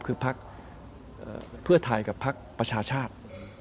คือภักดิ์เพื่อไทยกับภักดิ์ประชาชาติ